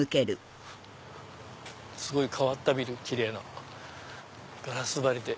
すごい変わったビルキレイなガラス張りで。